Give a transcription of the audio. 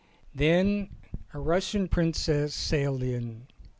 Then a Russian princess sailed in.